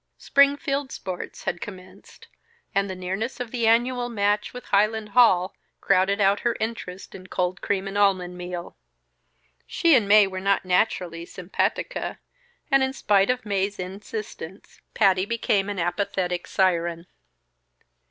Spring field sports had commenced, and the nearness of the annual match with Highland Hall, crowded out her interest in cold cream and almond meal. She and Mae were not naturally simpatica, and in spite of Mae's insistence, Patty became an apathetic siren.